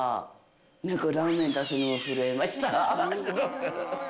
なんかラーメン出すのも震えました。